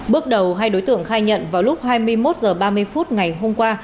bước đầu hai đối tượng khai nhận vào lúc hai mươi một h ba mươi phút ngày hôm qua